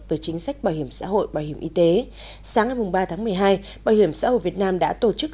về chính sách bảo hiểm xã hội bảo hiểm y tế sáng ngày ba tháng một mươi hai bảo hiểm xã hội việt nam đã tổ chức